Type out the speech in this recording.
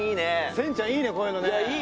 「千ちゃんいいねこういうのね」